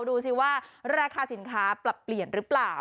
ดูสิว่าราคาสินค้าปรับเปลี่ยนหรือเปล่า